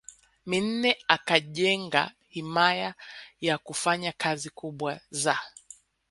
Minne akajenga himaya yakufanya kazi kubwa za